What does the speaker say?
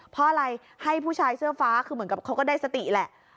เพราะอะไรให้ผู้ชายเสื้อฟ้าคือเหมือนกับเขาก็ได้สติแหละ